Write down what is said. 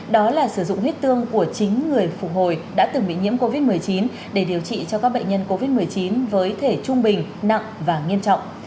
đó là sử dụng huyết tương của chính người phục hồi đã từng bị nhiễm covid một mươi chín để điều trị cho các bệnh nhân covid một mươi chín với thể trung bình nặng và nghiêm trọng